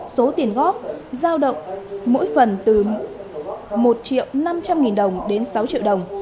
số tiền góp giao động mỗi phần từ một triệu năm trăm linh nghìn đồng đến sáu triệu đồng